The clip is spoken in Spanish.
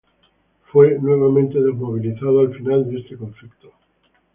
Fue nuevamente desmovilizado al final de este conflicto.